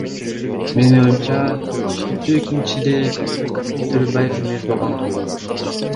Менин оюмча түштүктө экинчиде Төрөбаев эмес Бабанов болот.